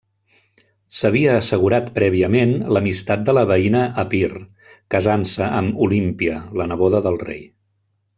S'havia assegurat prèviament l'amistat de la veïna Epir, casant-se amb Olímpia, la neboda del rei.